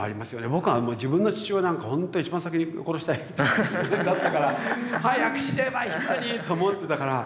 僕はもう自分の父親なんか本当に一番先に殺したい人間だったから。早く死ねばいいのに！と思ってたから。